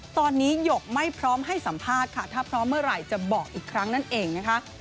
ตอนนี้หยกไม่พร้อมให้สัมภาษณ์ค่ะถ้าพร้อมเมื่อไหร่จะบอกอีกครั้งนั่นเองนะคะ